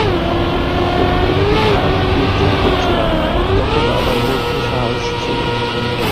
যখন তোমাকে থানা থেকে উদ্ধার করছিলাম, তখনও আমার মধ্যে সাহস ছিলো।